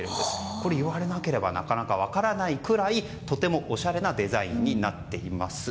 これ、言われなければなかなか分からないくらいとてもおしゃれなデザインになっています。